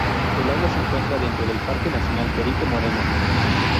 El lago se encuentra dentro del Parque Nacional Perito Moreno.